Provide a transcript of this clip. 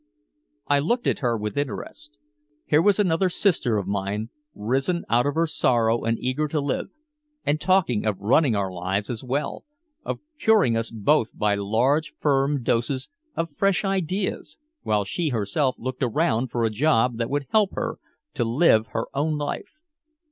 I looked at her with interest. Here was another sister of mine risen out of her sorrow and eager to live, and talking of running our lives as well, of curing us both by large, firm doses of "fresh ideas," while she herself looked around for a job that would help her to "live her own life."